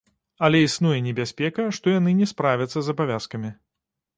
Але існуе небяспека, што яны не справяцца з абавязкамі.